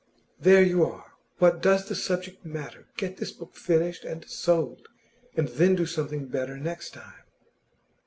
'There you are! What does the subject matter? Get this book finished and sold, and then do something better next time.